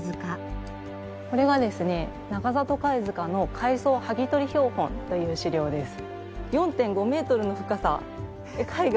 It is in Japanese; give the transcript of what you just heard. これはですね中里貝塚の貝層剥ぎ取り標本という史料です。